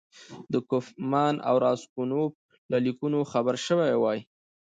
د کوفمان او راسګونوف له لیکونو خبر شوی وای.